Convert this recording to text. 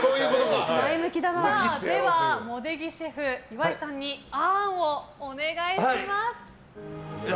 では茂出木シェフ、岩井さんにあーんをお願いします。